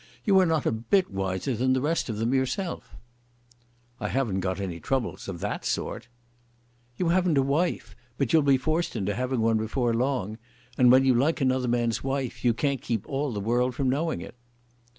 You are not a bit wiser than the rest of them yourself." "I haven't got any troubles, of that sort." "You haven't a wife, but you'll be forced into having one before long. And when you like another man's wife you can't keep all the world from knowing it."